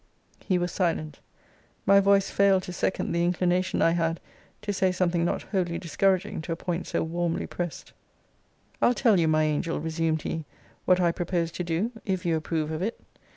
He was silent. My voice failed to second the inclination I had to say something not wholly discouraging to a point so warmly pressed. I'll tell you, my angel, resumed he, what I propose to do, if you approve of it.